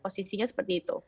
posisinya seperti itu